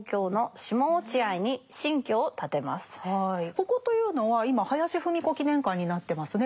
ここというのは今林芙美子記念館になってますね。